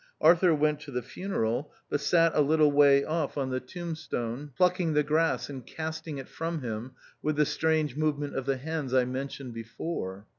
Arthur went to the funeral but sat a little way off on the tomb io THE OUTCAST. stone plucking the grass and casting it from him with the strange movement of the hands I mentioned before.